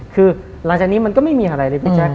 คือหลังจากนี้มันก็ไม่มีอะไรเลยพี่แจ๊